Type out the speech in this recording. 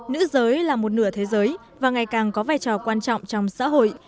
nữ giới là một nửa thế giới và ngày càng có vai trò quan trọng trong xã hội